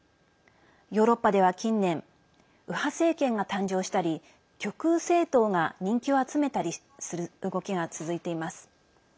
ヨーロッパでは近年右派政権が誕生したり極右政党が人気を集めたりする動きが続いています。